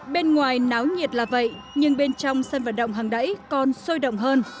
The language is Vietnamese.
bên ngoài náo nhiệt là vậy nhưng bên trong sân vận động hàng đẩy còn sôi động hơn